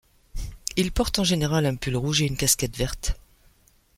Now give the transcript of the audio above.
Il porte en général un pull rouge et une casquette verte.